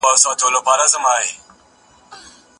خپلي مالي چاري به په سمه توګه سمبالوئ.